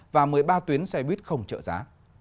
và một mươi ba tuyến xe buýt không trợ giá